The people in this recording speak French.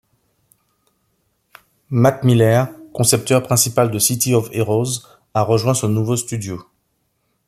Matt Miller, concepteur principal de City of Heroes, a rejoint ce nouveau studio.